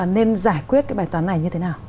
nên giải quyết cái bài toán này như thế nào